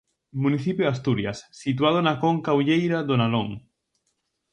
Municipio de Asturias, situado na conca hulleira do Nalón.